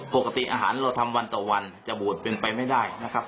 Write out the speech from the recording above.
ปกติอาหารเราทำวันต่อวันจะบูดเป็นไปไม่ได้นะครับ